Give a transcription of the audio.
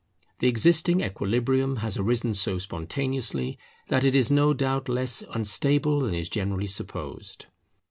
The existing equilibrium has arisen so spontaneously that it is no doubt less unstable than is generally supposed.